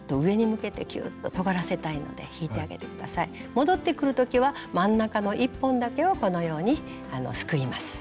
戻ってくる時は真ん中の１本だけをこのようにすくいます。